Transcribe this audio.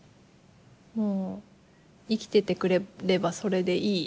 もう生きててくれればそれでいい。